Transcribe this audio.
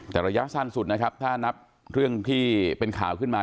แต่ระยะสั้นสุดนะครับถ้านับเรื่องที่เป็นข่าวขึ้นมา